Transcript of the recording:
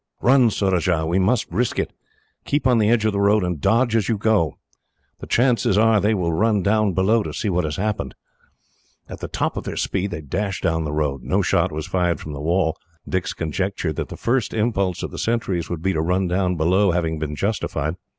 "Run, Surajah! We must risk it. Keep on the edge of the road, and dodge as you go. The chances are they will run down below, to see what has happened." At the top of their speed, they dashed down the road. No shot was fired from the wall, Dick's conjecture that the first impulse of the sentries would be to run down below having been justified.